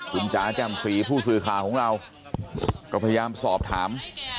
คุณจ๋าแจ่มสีผู้สื่อข่าวของเราก็พยายามสอบถาม